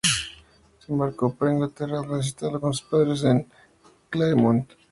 Se embarcó para Inglaterra, donde se instaló con sus padres en Claremont.